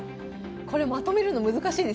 これまとめるの難しいですよ